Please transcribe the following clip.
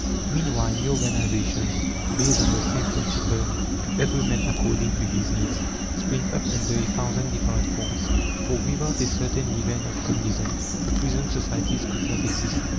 Meanwhile new organizations, based on the same principle to every man according to his needs spring up under a thousand different forms; for without a certain leaven of Communism the present societies could not exist.